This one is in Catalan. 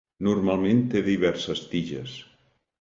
Normalment té diverses tiges.